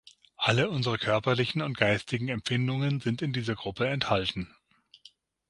Alle unsere körperlichen und geistigen Empfindungen sind in dieser Gruppe enthalten.